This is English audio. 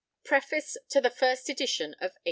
PREFACE TO THE FIRST EDITION OF 1810.